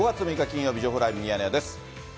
金曜日、情報ライブミヤネ屋です。